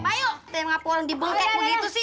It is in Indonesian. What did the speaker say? bayu ternyata ngapain orang dibengkek begitu sih